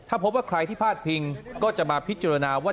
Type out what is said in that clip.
ถ้าพบว่าใครที่พลาดพิงก็จะมาพิจารณาว่า